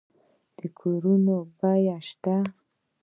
د کورونو بیمه شته؟